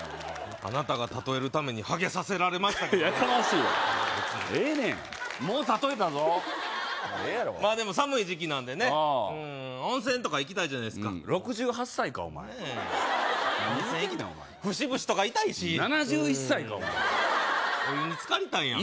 あなたが例えるためにハゲさせられましたけどねやかましいわええねやもう例えたぞもうええやろまあでも寒い時期なんでね温泉とか行きたいじゃないですか６８歳かお前何言うてんねんお前温泉行きたい節々とか痛いし７１歳かお前お湯につかりたいやんか